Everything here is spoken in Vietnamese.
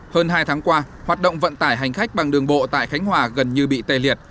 hơn hai tháng qua hoạt động vận tải hành khách bằng đường bộ tại khánh hòa gần như bị tê liệt